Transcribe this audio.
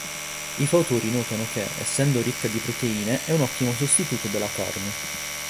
I fautori notano che, essendo ricca di proteine, è un ottimo sostituto della carne.